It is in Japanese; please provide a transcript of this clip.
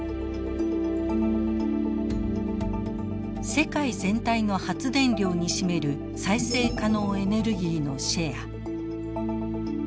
世界全体の発電量に占める再生可能エネルギーのシェア。